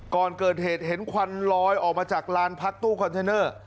ก่อนเกิดเหตุเห็นควันลอยออกมาจากลานพักตู้คอนเทนเนอร์